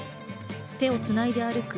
手をつないで歩く